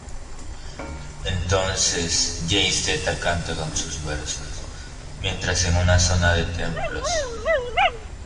Entonces Jay-Z canta sus versos, mientras en una zona de templos.